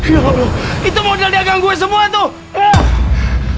ya allah itu modal dagang gue semua tuh